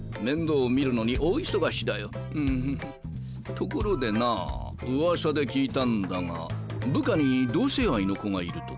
ところでなうわさで聞いたんだが部下に同性愛の子がいるとか。